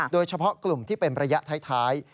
โดยเฉพาะกลุ่มที่เป็นระยะท้าย